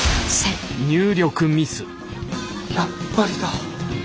やっぱりだ。